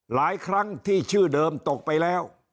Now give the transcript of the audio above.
หลายครั้งที่ชื่อเดิมตกไปแล้ว